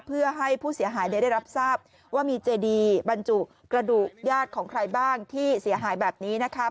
เพื่อให้ผู้เสียหายได้รับทราบว่ามีเจดีบรรจุกระดูกญาติของใครบ้างที่เสียหายแบบนี้นะคะ